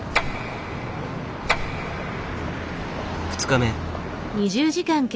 ２日目。